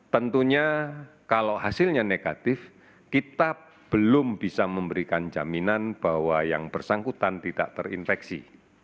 tentunya kalau hasilnya negatif kita belum bisa memberikan jaminan bahwa yang bersangkutan tidak terinfeksi